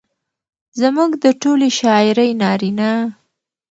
زموږ د ټولې شاعرۍ نارينه